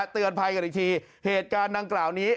เตือนภัยกันอีกทีเหตุการณ์ดังกล่าวนี้